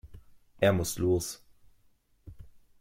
Er muss los.